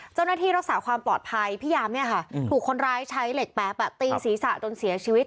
เจ้าหน้าที่รักษาความปลอดภัยพี่ยามเนี่ยค่ะถูกคนร้ายใช้เหล็กแป๊บตีศีรษะจนเสียชีวิต